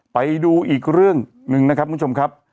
ไปดูอีกเรื่องหนึ่งนะครับคุณผู้ชมครับ